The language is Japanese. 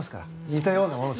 似たようなもの